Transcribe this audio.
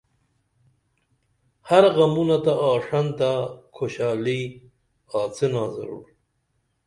ہر غمونہ تہ آݜنتہ کھوشالی آڅنا ضرور